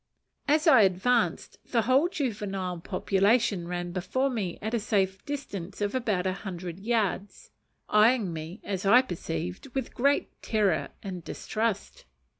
As I advanced, the whole juvenile population ran before me at a safe distance of about a hundred yards, eyeing me, as I perceived, with great terror and distrust.